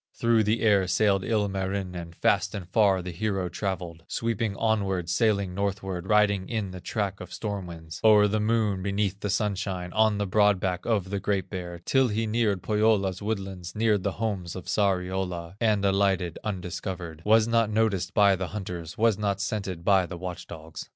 Through the air sailed Ilmarinen, Fast and far the hero travelled, Sweeping onward, sailing northward, Riding in the track of storm winds, O'er the Moon, beneath the sunshine, On the broad back of the Great Bear, Till he neared Pohyola's woodlands, Neared the homes of Sariola, And alighted undiscovered, Was not noticed by the hunters, Was not scented by the watch dogs.